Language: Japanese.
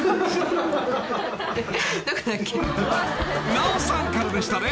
［奈緒さんからでしたね。